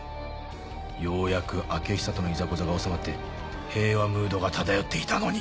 ようやく開久とのいざこざが収まって平和ムードが漂っていたのに。